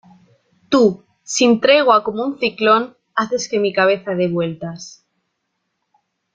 Tú, sin tregua como un ciclón, haces que mi cabeza dé vueltas